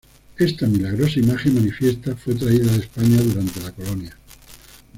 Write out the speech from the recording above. Esta milagrosa imagen, manifiestan, fue traída de España durante la colonia.